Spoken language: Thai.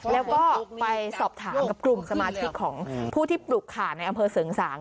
แล้วก็ไปสอบถามกับกลุ่มสมาชิกของผู้ที่ปลุกขาดในอำเภอเสริงสาง